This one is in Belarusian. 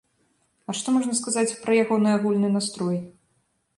А што можна сказаць пра ягоны агульны настрой?